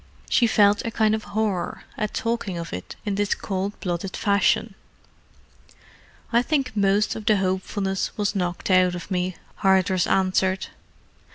She felt a kind of horror at talking of it in this cold blooded fashion. "I think most of the hopefulness was knocked out of me," Hardress answered.